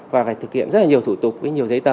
và phải thực hiện rất là nhiều thủ tục với nhiều giấy tờ